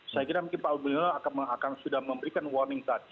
saya kira mungkin pak gubernur akan sudah memberikan warning tadi